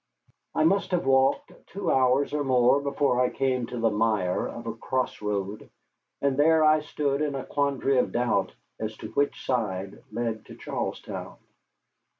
I must have walked two hours or more before I came to the mire of a cross road, and there I stood in a quandary of doubt as to which side led to Charlestown.